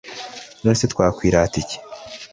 None se twakwirata iki?